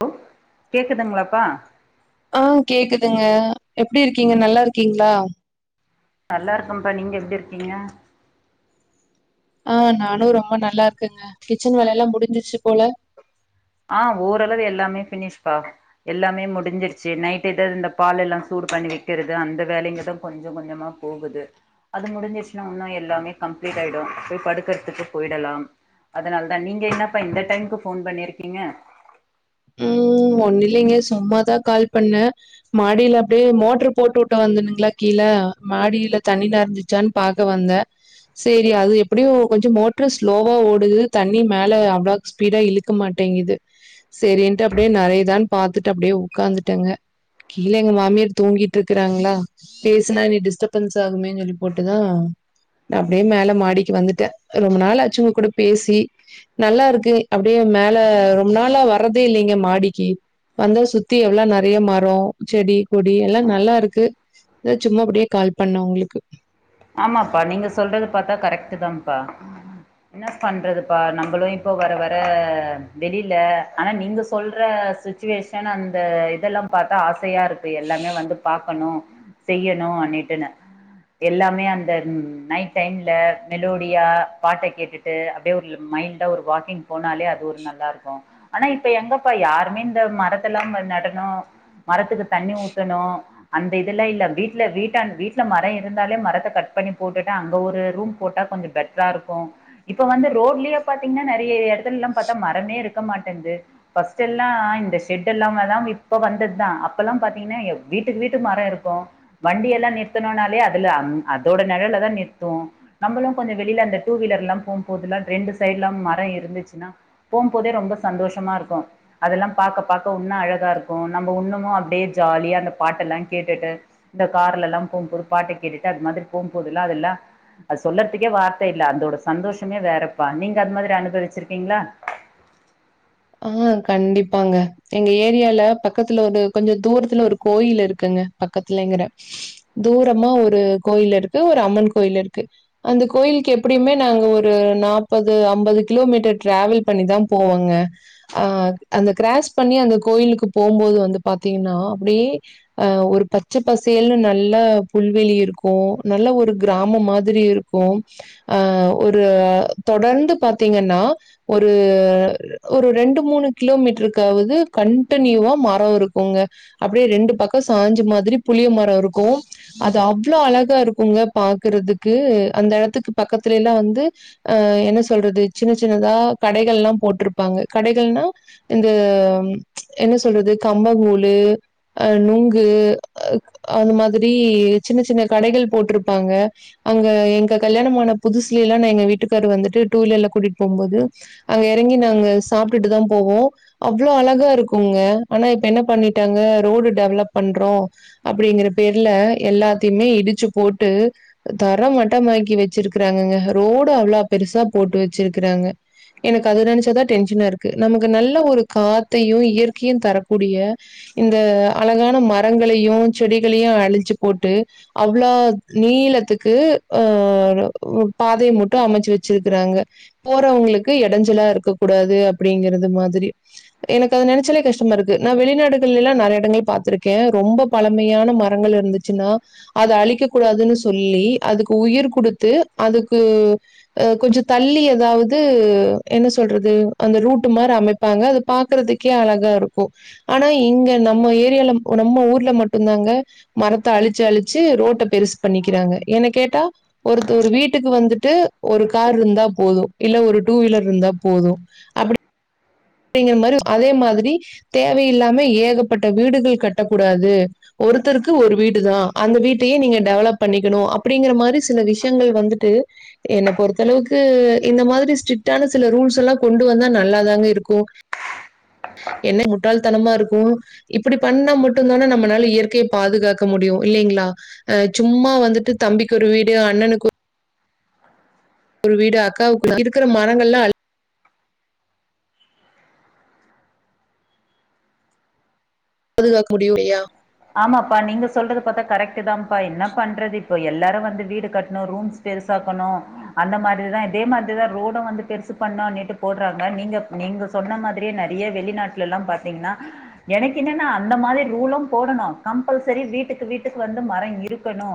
hello கேக்குதுங்களாப்பா ஆ கேக்குதுங்க எப்டி இருக்கீங்க நல்லா இருக்கீங்களா நல்லா இருக்கம்பா நீங்க எப்டி இருக்கீங்க ஆ நானு ரொம்ப நல்லா இருக்கேங்க கிச்சன் வேல எல்லா முடிஞ்சிருச்சு போல ஆ ஓரளவு எல்லாமே ஃபினிஷ்பா எல்லாமே முடிஞ்சிருச்சு நைட் ஏதாது இந்த பால் எல்லா சூடு பண்ணி வைக்கிறது அந்த வேலைங்கதா கொஞ்ச கொஞ்சமா போகுது அது முடிஞ்சிருச்சுனா இன்னு எல்லாமே கம்ப்ளீட் ஆயிடு போய் படுக்கறத்துக்கு போயிடலாம் அதனால தா நீங்க என்னப்பா இந்த டைமுக்கு போன் பண்ணிருக்கீங்க ம் ஒண்ணு இல்லைங்க சும்மாதா கால் பண்ண மாடியில அப்டியே மோட்ரு போட்டு விட்டு வந்தனுங்களா கீழ மாடியில தண்ணி நிரஞ்சிருச் ச்சானு பாக்க வந்த சரி அது எப்படியு கொஞ்ச மோட்ரு ஸ்லோவா ஓடுது தண்ணி மேல அவ்ளாக் ஸ்பீடா இழுக்க மாட்டேங்குது சரின்ட்டு அப்டியே நெறையுதானு பாத்துட்டு அப்டியே உக்காந்துட்டேங்க கீழே எங்க மாமியார் தூங்கிட்டு இருக்கிறாங்ளா பேசுனா அத டிஸ்டர்பன்ஸ் ஆகுமேன் சொல்லி போட்டுதா ந அப்டியே மேல மாடிக்கு வந்துட்டே ரொம்ப நாள் அச்சி உங்க கூட பேசி நல்லாருக்கு அப்டியே மேல ரொம்ப நாளா வர்றதே இல்லைங்க மாடிக்கி வந்தா சுத்தி எவ்ளோ நெறைய மரோ செடி கொடி எல்லா நல்லா இருக்கு அதா சும்மா அப்டியே கால் பண்ண உங்களுக்கு ஆமாப்பா நீங்க சொல்றது பாத்தா கரெக்டு தாம்பா என்ன பண்றதுப்பா நம்பளு இப்போ வர வர வெளில ஆனா நீங்க சொல்ற சுச் சுவேஷன் அந்த இதெல்லாம் பாத்தா ஆசையா இருக்கு எல்லாமே வந்து பாக்கணு செய்யணு அன்னிட்டுனு எல்லா அப்டியே அந்த நைட் டைம்ல மெலோடியா பாட்ட கேட்டுட்டு அப்டியே ஒரு மைல்டா ஒரு வாக்கிங் போனாலே அது ஒரு நல்லா இருக்கும் ஆனா இப்ப எங்கப்பா யாருமே இந்த மரத்த எல்லாம் நடனும் மரத்துக்கு தண்ணி ஊத்தணு அந்த இதல்லஇல்ல வீட்ல வீட்ட வீட்ல மர இருந்தாலே மரத் த்த கட் பண்ணி போட்டுட்டு அங்க ஒரு ரூம் போட்டா கொஞ்ச பெட்ரா இருக்கும் இப்ப வந்து ரோட்லே பாத்தீங்னா நெறைய எடத்துலல்லா பாத்தா மரமே இருக்க மாட்டேங்து ஃபஸ்ட் எல்லா இந்த ஷெட் எல்லாமேதா இப்ப வந்தத்தா அப்ப எல்லாம் பாத்தீங்னா வீட்டுக்கு வீட்டுக் மரொ இருக்கு வண்டி எல்லா நிறத்தணுனாலே அதுல அதோட நெழல்தா நிறுத்துவோ நம்மளும் கொஞ்ச வெளியில அந்த டூ வீலர் எல்லா போகும்போதுல்லா ரெண்டு சைடுலா மர இருந்துச்சுன்னா போம்போதே ரொம்ப சந்தோஷமா இருக்கும் அதெல்லா பாக்கபாக்க உன்னு அழகாருக்கு நம்மோ இன்னமு அப்டியே ஜாலியா அந்த பாட்டெல்லா கேட்டுட்டு இந்த கார்லல்லா போம்போது பாட்ட கேட்டுட்டு அது மாதிரி போகும் போதல்ல அதுல்லா அது சொல்லத்துக்கே வார்த்த இல்ல அந்தோட சந்தோஷமே வேறப்பா நீங்க அது மாதிரி அனுபவிச்சிருக்கீங்ளா ஆ கண்டிப்பாங்க எங்க ஏரியால பக்கத்துல ஒரு கொஞ்ச தூரத்துல ஒரு கோயில் இருக்குங்க பக்கத்துலேங்கிறே தூரமா ஒரு கோயில் இருக்கு ஒரு அம்மன் கோயில் இருக்கு ப அந்த கோயிலுக்கு எப்படியுமே நாங்க ஒரு நாப்பது அம்பது கிலோமீட்டர் ட்ராவல் பண்ணிதா போவோங்க ஆ அந்த கிராஸ் பண்ணி அந்த கோயிலுக்கு போம்போது வந்து பாத்தீங்கன்னா அப்டியே ஆ ஒரு பச்சபசேல்னு நல்லா புல்வெளி இருக்கும் நல்ல ஒரு கிராமம் மாதிரி இருக் கும் அ ஒரு தொடர்ந்து பாத்தீங்கன்னா ஒரு ஒரு ரெண்டு மூணு கிலோ மீட்டருக்காவது கன்டினியூவா மரம் இருக்குங்க அப்டியே ரெண்டு பக்க சாஞ்ச மாதிரி புளிய மர இருக்கும் அது அவ்ளோ அழகா இருக்குங்க பாக்குறதுக்கு அந்த எடத்துக்கு பக்கத்துலல்லா வந்து ஆ என்ன சொல்றது சின்ன சின்னதா கடைகள்லா போட்ருப் பாங்க கடைகள்னா இந்த என்ன சொல்றது கம்பங்கூழு அ நுங்கு அந்த மாதிரி சின்ன சின்ன கடைகள் போட்ருப்பாங்க அங்க எங்க கல்யாணமான புதுசுலல்லா நா எங்க வீட்டுக்கார வந்துட்டு டூ வீலர்ல கூட்டிட் போம்போது அங்க எறங்கி நாங்க சாப்ட்டுட்டு தா போவோ அவ்ளோ அழகா இருக்குங்க ஆனா இப்ப என்ன பண்ணிட்டாங்க ரோடு டெவலப் பண்றோ அப்டிங்ற பேர்ல எல்லாத்தயுமே இடிச்சு போட்டு தர மட்டமாக்கி வச்சிருக்கறாங்கங்க ரோடு அவ்ளோ பெருசா போட்டு வச்சிருக்குறாங்க எனக்கு அத நெனச்சாதா டென்ஷனா இருக்கு நமக்கு நல்ல ஒரு காத்தையு இயற்கையு தரக்கூடிய இந்த அழகான மரங்களையு செடிகளையு அழிச்சு போட்டு அவ்ளோ நீளத்துக்கு ஆ பாதை மட்டு அமச்சு வச்சிருக்கிறாங்க போறவ்ங்களுக்கு எடஞ்சலா இருக்கக்கூடாது அப்டிங்கறது மாதிரி எனக்கு அது நெனைச்சாலே கஷ்டமா இருக்கு நா வெளிநாடுகள்லல்லா நெறைய எடங்கள் பாத்திருக்கே ரொம்ப பழமயான மரங்கள் இருந்து ச்சுனா அத அழிக்க கூடாதுன் சொல்லி அதுக்கு உயிர் குடுத்து அதுக்கு அ கொஞ்ச தள்ளி எதாவது என்ன சொ சொல்றது அந்த ரூட்டு மாரி அமைப்பாங்க அது பாக்குறதுக்கே அழகா இருக்கு ஆனா இங்க நம்ம ஏரியால நம்ம ஊர்ல மட்டுந்தாங்க மரத்த அழிச்சு அழிச்சு ரோட்ட பெருசு பண்ணிக்கிறாங்க ஏன்னு கேட்டா ஒருத்த ஒரு வீட்டுக்கு வந்துட்டு ஒரு கார்ருந்தா போது இல்ல ஒரு டூ வீலர் இருந்தா போது அப்டி ங்கிற மாதிரி அதேமாதிரி தேவையில்லாம ஏகப்பட்ட வீடுகள் கட்டக்கூடாது ஒருத்தருக்கு ஒரு வீடு தா அந்த வீட்டயே நீங்க டெவலப் பண்ணிக்கணு அப்படிங்கற மாரி சில விஷயங்கள் வந்துட்டு என்ன பொறுத்தளவுக்கு இந்த மாதிரி ஸ்ட்ரிட்டான சில ரூல்ஸ் எல்லா கொண்டு வந்தா நல்லாதாங்க இருக்கு கோ என்ன முட்டாள்தனமா இருக்கு இப்படி பண்ணா மட்டும் தானே நம்மளால இயற்கைய பாதுகாக்க முடியு இல்லைங்ளா அ சும்மா வந்துட்டு தம்பிக்கு ஒரு வீடு அண்ணனுக்கு ஒரு வீடு அக்காவுக்கு இருக்கிற மரங்கள்லா அளி பாதுகாக்க முடியு இல்லயா ஆமாப்பா நீங்க சொல்றது பாத்தா கரெக்ட் தாம்பா என்ன பண்றது இப்போ எல்லாரு வந்து வீடு கட்ணௌ ரூம்ஸ் பெருசாக்கணு அந்த மாதிரிதா இதே மாதிரிதா ரோடோ வந்துட்டு பெருசு பண்ணு இன்னிட்டு போட்றாங்க நீங்க நீங்க சொன்ன மாதிரியே நெறைய வெளிநாட்லல்லாம் பாத்தீங்கனா எனக்கு என்னன்ன அந்த மாதிரி ரூலும் போடணு கம்ஃபல்சரி வீட்டுக்கு வீட்டுக்கு வந்து மரோ இருக்கணு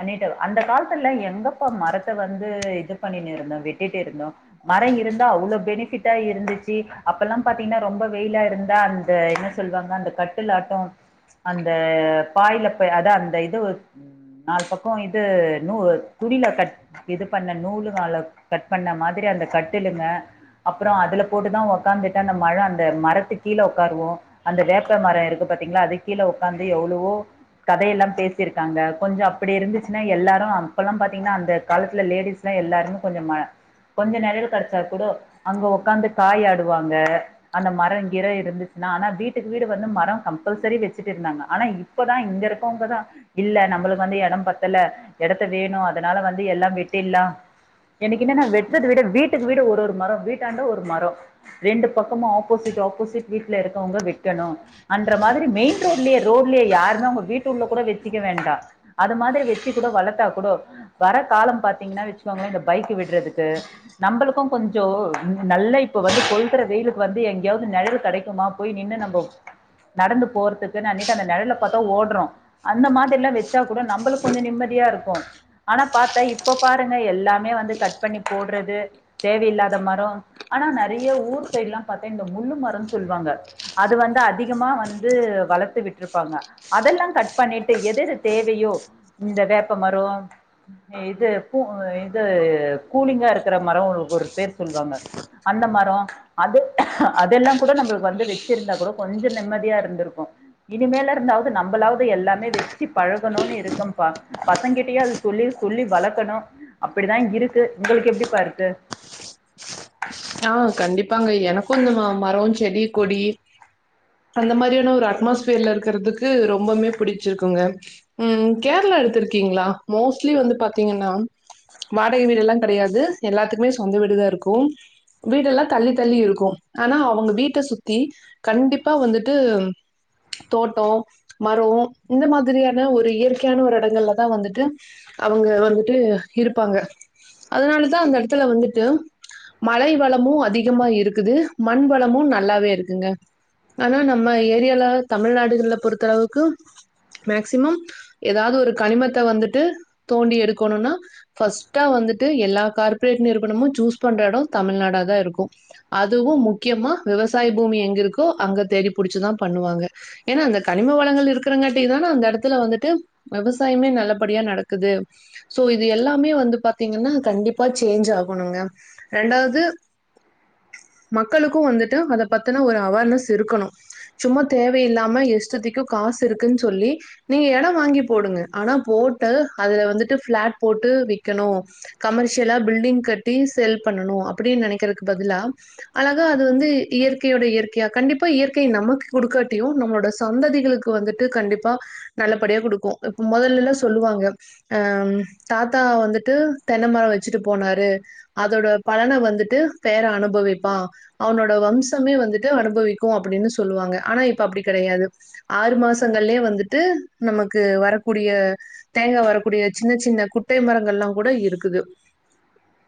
அண்ணிட்ட அந்த காலத்துல எங்கப்பா மரத்த வந்து இது பண்ணினுன்னு இருந்தோ வெட்டிட்டு இருந்தோ மரோ இருந்தா அவ்ளோ ஃபெனிபிட்டா இருந்துச்சி அப்பல்லா பாத்தீங்கன்னா ரொம்ப வெயிலா இருந்தா அந்த என்ன சொ சொல்லுவாங்க அந்த கட்டிலாட்டோ அந்த பாய்ல ப அதா அந்த இது நால் பக்கோ இது நூ துணில கட் இது பண்ண நூலுகள கட் பண்ணா மாதிரி அந்த கட்டிலுங்க அப்பறோ அதுல போட்டுதா ஒக்காந்துட்டு அந்த மழ அந்த மரத்துக் கீழ ஒக்காருவோ அந்த வேப்ப மரோ இருக்கு பாத்தீங்ளா அதுக் கீழ ஒக்காந்து எவ்ளவோ கதையெல்லா பேசியிருக்காங்க கொஞ்சோ அப்டி இருந்துச்சுன்னா எல்லாரு அப்பல்லா பாத்தீங்கன்னா அந்த காலத்துல லேடிஸ் எல்லாருமே கொஞ்சோ ம கொஞ்சோ நெழல் கெடச்சா கூடோ அங்க ஒக்காந்து காய் ஆடுவாங்க அந்த மரம் கீரே இருந்துச்சுன்னா ஆனா வீட்டுக்கு வீடு வந்து மரோ கம்பல்சரி வெச் ட்டு இருந்தாங்க ஆனா இப்பதா இங்க இருக்கவங்கதா இல்ல நம்மளுக்கு வந்து எடம் பத்தல எடத்த எடத்த வேணு அதனால வந்து எல்லா வெட்டில்லா எனக்கு என்னன்னா வெட்றது விட வீட்டுக்கு வீடு ஒரு ஒரு மரோ வீட் டாண்ட ஒரு மரோ ரெண்டு பக்கமு ஆப்போசிட் ஆப்போசிட் வீட்டல இருக்கவங்க வெக்கணு அந்தமாதிரி மெயின் ரோட்லயே ரோட் உள்ளயேயாருமே உங்க வீட்டு உள்ள கூடோ வெச்சிக்க வேண்டா அது மாதிரி வெச்சி கூடோ வளத்தா கூடோ வர காலம் பாத்தீங்கன்னா வெச்சுக்கோங்களே இந்த பைக் விட்றதுக்கு நம்பளுக்கு கொஞ்சோ நல்லா இப்ப வந்து கொளுத்துற வெயிலுக்கு வந்து எங்கியாது வந்து நிழலு கெடைக்குமா போயா நின்னு நம்மோ நடந்து போறதுக்கு அன்னிட்டு அந்த நெழல பாத்தா ஓட்றோ அந்த மாதிரிலா வெச்சா கூடோ நம்மளுக்கு கொஞ்சோ நிம்மதியா இருக்கு ஆனா பாத்தா இப்ப பாருங்க எல்லாமே வந்து கட் பண்ணி போட்றது தேவையில்லாத மரொ ஆனா நெறைய ஊர் சைட்லா பாத்தா இந்த முள்ளு மரோனு சொல்வாங்க அது வந்து அதிகமா வந்து வளத் த்து விட்டுருப்பாங்க அதெல்லா கட் பண்ணிட்டு எதெது தேவையோ இந்த வேப்ப மரோ இது பூ இது கூலிங்கா இருக்கற மரோ ஒரு பேர் சொல்வாங்க அந்த மரோ அது அதெல்லாங் கூடோ நம்மளுக்கு வந்து வெச்சிருந்தா கூடோ கொஞ்சோ நிம்மதியா இருந்திருக்கு இனிமேல இருந்தாவது நம்மளாது எல்லாமே வெச்சி பழகணுனு இருக்கம்பா பசங்கிட்டயோ அது சொல்லி சொல்லி வளக்கணு அப்படிதா இருக்கு உங்களுக்கு எப்டிப்பா இருக்கு ஆ கண்டிப்பாங்க எனக்கு இந்த மரோ செடி கொடி அந்த மாரியான ஒரு அட்மாஸ்பியர்ல இருக்கறதுக்கு ரொம்பமே புடிச்சிருக்குங்க ம் கேரளா எடுத்திருக்கீங்களா மோஸ்ட்லி வந்து பாத்தீங்கன்னா வாடகை வீடுடெல்லா கெடையாது எல்லாத்துக்குமே சொந்த வீடுதா இருக்கும் வீடெல்லா தள்ளி தள்ளி இருக்கு ஆனா அவங்க வீட்ட சுத்தி கண்டிப்பா வந்துட்டு தோட்டோ மரோ இந்த மாதிரியான ஒரு இயற்கையான ஒரு இடங்கள்ல தா வந்துட்டு அவுங்க வந்துட்டு இருப்பாங்க அதனாலதா அந்த எடத்துல வந்துட்டு மழை வளமு அதிகமா இருக்குது மண் வளமு நல்லாவே இருக்குங்க ஆனா நம்ம ஏரியால தமிழ்நாடுகள்ல பொறுத்தளவுக்கு மேக்சிமம் ஏதாது ஒரு கனிமத்த வந்துட்டு தோண்டி எடுக்கோனுனா ஃபர்ஸ்ட்டா வந்துட்டு எல்லா கார்ப்பரேட் நிறுவனமும் சூஸ் பண்ற எட தமிழ்நாடா தா இருக்கு அதுவு முக்கியமா விவசாய பூமி எங்க இருக்கோ அங்க தேடி புடிச்சுதா பண்ணுவாங்க ஏன்னா அந்த கனிம வளங்கள் இருக்கிறங்கட்டி தான அந்த எடத்துல வந்துட்டு வெவசாயமே நல்லபடியா நடக்குது சோ இது எல்லாமே வந்து பாத்தீங்கனா கண்டிப்பா சேஞ்ச் ஆகணுங்க ரெண்டாவது மக்களுக்கு வந்துட்டு அதபத்தினா ஒரு அவார்னஸ் இருக்கணு சும்மா தேவையில்லாம இஸ்டதிக்கு காசு இருக்குன்னு சொல்லி நீங்க எடம் வாங்கி போடுங்க ஆனா போட்டு அதுல வந்துட்டு பிளாட் போட்டு விக்கணு கமர்ஷிலா பில்டிங் கட்டி சேல் பண்ணணு அப்டினு நெனைகறதுக்கு பதிலா அழகா அது வந்து இயற்கையோட இயற்கையா கண்டிப்பா இயற்கை நமக்கு குடுக்காட்டியு நம்மளோட சந்ததிகளுக் வந்துட்டு கண்டிப்பா நல்லபடியா குடுக்கு இப்ப மொதலல்லா சொல்லுவாங்க அஹ் தாத்தா வந்துட்டு தென்னமரோ வச்சுட்டு போனாரு அதோட பலன வந்துட்டு பேர அனுபவிப்பா அவனோட வம்சமே வந்துட்டு அனுபவிக்கு அப்டின்னு சொல்லுவாங்க ஆனா இப்ப அப்டி கெடையாது ஆறு மாசங்கள்லே வந்துட்டு நமக்கு வரக்குடிய தேங்க வரக்குடிய சின்ன சின்ன குட்டை மரங்கல்லா கூட இருக்குது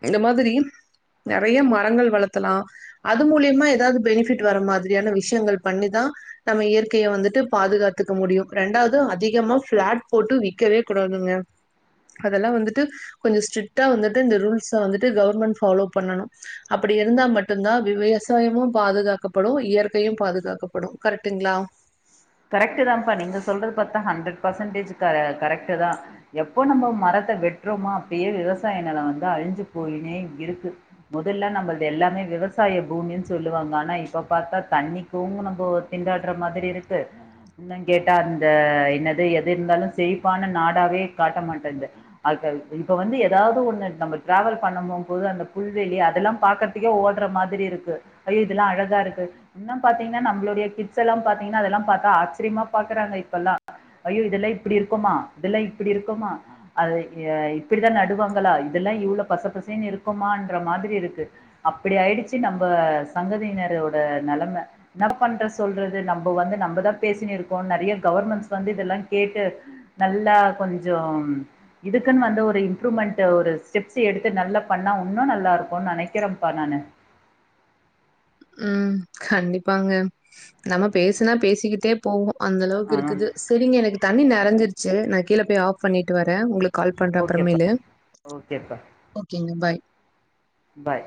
இந்த மாதிரி நெறைய மரங்கள் வளத்தலா அது மூலியமா ஏதாவது பெனிஃபிட் வர மாதிரியான விஷ்யங்கள் பண்ணிதா நம்ம இயற்கைய வந்துட்டு பாதுகாத்துக்க முடியு ரெண்டாது அதிகமா பிளாட் போட்டு விக்கவே குடாதுங்க அதெல்லா வந்துட்டு கொஞ்ச ஸ்ட்ரிட்டா வந்துட்டு இந்த ரூல்ஸ் வந்துட்டு கவர்மெண்ட் ஃபாலோ பண்ணனு அப்டி இருந்தா மட்டுந்தா வி விவசாயமு பாதுகாக்கப்படு இயற்கையு பாதுகாக்கப்படு கரெக்ட்டுங்ளா கரெக்ட் தான்ப்பா நீங்க சொல்றது பாத்தா ஹண்ட்ரட் பர்சன்டேஜ் க கரெக்ட்டு தா எப்போ நம்ம மரத்த வெட்றோமோ அப்டியே விவசாய நில வந்து அழிஞ்சு போயினே இருக்கு மொதல்ல நம்ள்து எல்லாமே விவசாய பூமின்னு சொல்லுவாங்க ஆனா இப்ப பாத்தா தண்ணிக் தூங்க நம்போ திண்டாடுற மாதிரி இருக்கு இன்னுங் கேட்டா அந்த என்னது எது இருந்தாலு செழிப்பான நாடாவே காட்ட மாட்டேன்து அதத் இப்ப வந்து ஏதாவது ஒண்ணு நம்ம டிராவல் பண்ணும் போது அந்த புல்வெளி அதெல்லா பாக்கரத் திக்கே ஓடுற மாதிரி இருக்கு ஐயோ இதெல்லா அழகா இருக்கு இன்னு பாத்தீங்ன்னா நம்மளுடைய கிட்ஸ் எல்லா பாத்தீங்கன்னா அதெல்லா பாத்தா ஆச்சிரியமா பாக்குறாங்க இப்பல்லா ஐயோ இதெல்லா இப்டி இருக்குமா இதெல்லா இப்டி இருக்குமா அது இப்பிடிதா நடுவாங்களா இதெல்லா இவ்ளோ பச பசென்னு இருக்குமன்ற மாதிரி இருக்கு அப்டி ஆயிடுச்சு நம்ப சங்கதியினரோட நெலம என்னபண்ற சொல்றது நப்ப வந்து நம்மதா பேசினி இருக்கோ நெறைய கவர்மென்ஸ் வந்து இதெல்லா கேட்டு நல்லா கொஞ்சொம் இதுக்குன்னு வந்து ஒரு இம்ப்ரூவ்மெண்ட் ஒரு ஸ்டெப்ஸ் எடுத்து நல்லா பண்ணா உன்னு நல்லா இருக்கு நெனைக்றப்பா நானு ம் கண்டிபாங்க நம்ம பேசனா பேசிக்கிட்டே போவோ அந்த அளவுக்கு ஆ இருக்குது செரிங்க எனக்கு தண்ணி நெறச்சிருச்சு நா கீழே போய் ஆஃப் பண்ணிட்டு வரே உங்ளுக் கால் பண்ற ஓகேப்பா அப்பறமேலு ஓகேப்பா ஓகேங்க பாய் பாய்